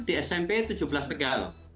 di smp tujuh belas tegal